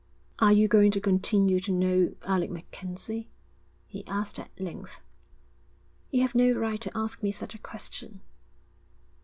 'Are you going to continue to know Alec MacKenzie?' he asked at length. 'You have no right to ask me such a question.'